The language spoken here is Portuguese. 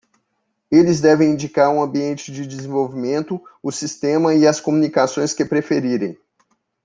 Eles devem indicar o ambiente de desenvolvimento, o sistema e as comunicações que preferirem.